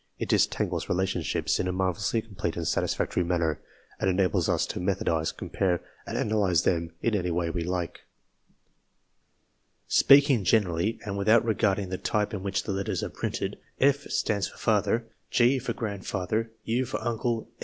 It disentangles relationships in a marvellously complete and satisfactory manner, and enables us to methodise, compare, and analyse them in any way we like. Speaking generally, and without regarding the type in NOTATION 45 which the letters are printed, F. stands for Father ; G. for Grandfather; U. for Uncle; N.